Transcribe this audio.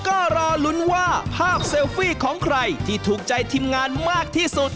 ก็รอลุ้นว่าภาพเซลฟี่ของใครที่ถูกใจทีมงานมากที่สุด